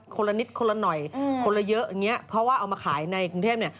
คนละนิดคนละหน่อยคนละเยอะเพราะว่าเอามาขายในกรุงเทพฯ